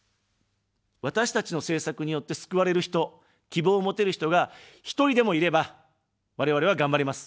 私たちの政策によって救われる人、希望を持てる人が一人でもいれば、我々はがんばれます。